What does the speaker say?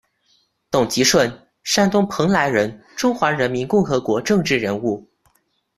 董吉顺，山东蓬莱人，中华人民共和国政治人物。